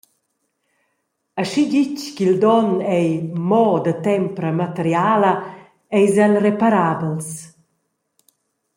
Aschi ditg ch’il donn ei «mo» da tempra materiala, eis el reparabels.